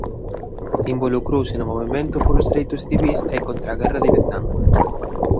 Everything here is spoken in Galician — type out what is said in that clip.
Involucrouse no Movemento polos Dereitos Civís e contra a Guerra de Vietnam.